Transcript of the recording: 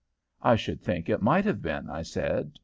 "'I should think it might have been,' I said.